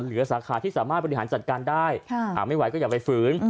สาขาที่สามารถบริหารจัดการได้ไม่ไหวก็อย่าไปฝืน